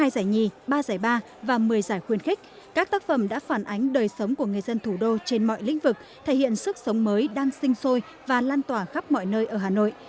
hai giải nhì ba giải ba và một mươi giải khuyên khích các tác phẩm đã phản ánh đời sống của người dân thủ đô trên mọi lĩnh vực thể hiện sức sống mới đang sinh sôi và lan tỏa khắp mọi nơi ở hà nội